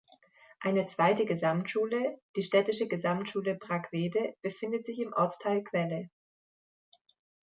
Eine zweite Gesamtschule, die Städtische Gesamtschule Brackwede, befindet sich im Ortsteil Quelle.